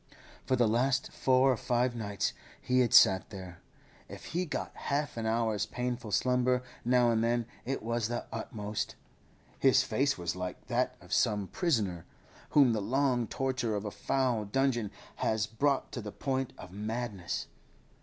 For the last four or five nights he had sat there; if he got half an hour's painful slumber now and then it was the utmost. His face was like that of some prisoner, whom the long torture of a foul dungeon has brought to the point of madness.